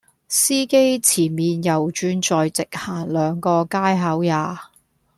司機前面右轉再直行兩個街口吖